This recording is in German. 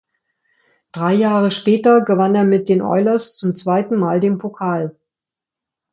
Drei Jahre später gewann er mit den Oilers zum zweiten Mal den Pokal.